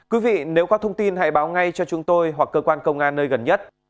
quý vị nếu có thông tin hãy báo ngay cho chúng tôi hoặc cơ quan công an nơi gần nhất